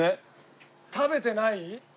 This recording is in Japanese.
食べてない？